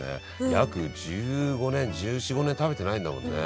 約１５年１４１５年食べてないんだもんね。